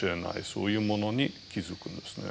そういうものに気付くんですね。